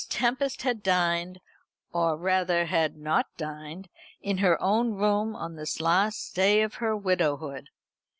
Tempest had dined or rather had not dined in her own room on this last day of her widowhood.